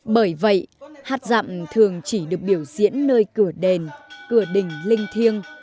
bởi vậy hát dạm thường chỉ được biểu diễn nơi cửa đền cửa đình linh thiêng